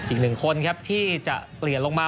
อีกหนึ่งคนครับที่จะเปลี่ยนลงมา